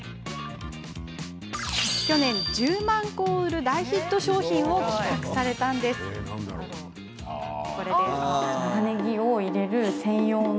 昨年、１０万個を売る大ヒット商品を企画したんだそうです。